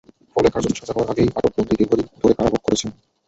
ফলে কার্যত সাজা হওয়ার আগেই আটক বন্দী দীর্ঘদিন ধরে কারাভোগ করেছেন।